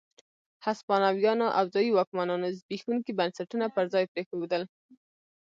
هسپانويانو او ځايي واکمنانو زبېښونکي بنسټونه پر ځای پرېښودل.